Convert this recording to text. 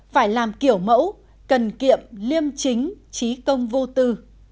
phải làm kiểu mẫu cần kiệm liêm chính trí công vô tư